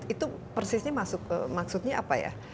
itu persisnya maksudnya apa ya